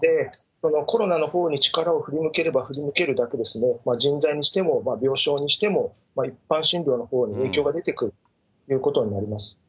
コロナのほうに力を振り向ければ振り向けるだけ、人材にしても、病床にしても、一般診療のほうに影響が出てくるということになります。